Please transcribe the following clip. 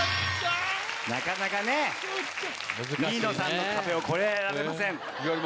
なかなかね新納さんの壁を越えられません。